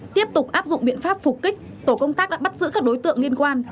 tiếp tục áp dụng biện pháp phục kích tổ công tác đã bắt giữ các đối tượng liên quan